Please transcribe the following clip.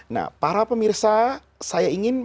nah para pemirsa saya ingin